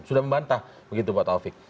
sudah membantah begitu pak taufik